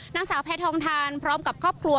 นางสาวแพทองทานพร้อมกับครอบครัว